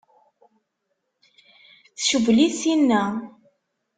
Tcewwel-it tinna?